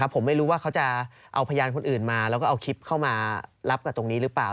ผมไม่รู้ว่าเขาจะเอาพยานคนอื่นมาแล้วก็เอาคลิปเข้ามารับกับตรงนี้หรือเปล่า